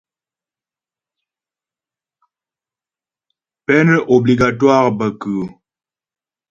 Peine obligatoire bə kʉ́ʉ́ ?